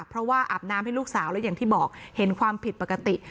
เพราะว่าอาบน้ำให้ลูกสาวแล้วอย่างที่บอกเห็นความผิดปกติ